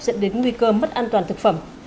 dẫn đến nguy cơ mất an toàn thực phẩm